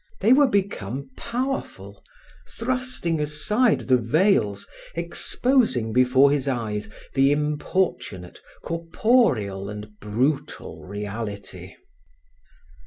They were become powerful, thrusting aside the veils, exposing before his eyes the importunate, corporeal and brutal reality.